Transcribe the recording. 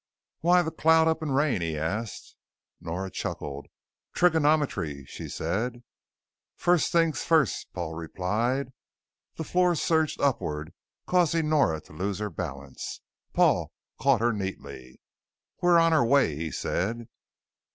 "Why the cloud up and rain?" he asked. Nora chuckled. "Trigonometry," she said. "First things first," Paul replied. The floor surged upward, causing Nora to lose her balance. Paul caught her neatly. "We're on our way," he said.